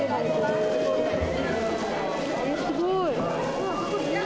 すごい！